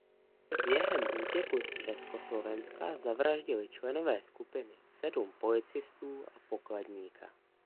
Během útěku z Československa zavraždili členové skupiny sedm policistů a pokladníka.